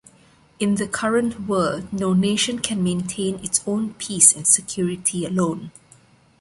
In the current world, no nation can maintain its own peace and security alone.